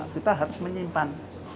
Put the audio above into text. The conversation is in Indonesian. kita harus menyimpan